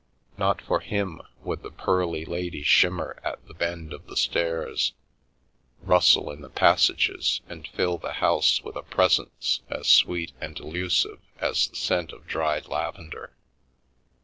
Not for him would the pearly lady shimmer at the bend of the stairs, rustle in the passages and fill the house with a presence as sweet and elusive as the scent of dried lavender.